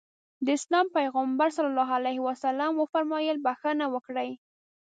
د اسلام پيغمبر ص وفرمايل بښنه وکړئ.